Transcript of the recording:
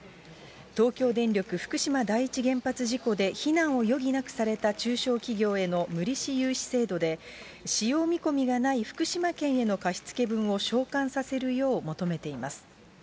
東京電力福島第一原発事故で避難を余儀なくされた中小企業への無利子融資制度で、使用見込みがない福島県への貸し付け分を償還させるよう求めています。